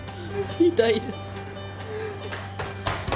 痛いです。